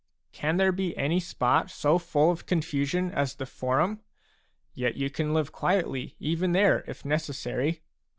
6 Can there be any spot so full of confusion as the Forum ? Yet you can live quietly even there, if necessary.